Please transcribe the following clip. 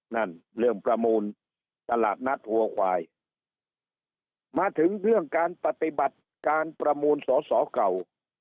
นั่นเรื่องประมูลตลาดนัดหัวควายมาถึงเรื่องการปฏิบัติการประมูลสอสอเก่า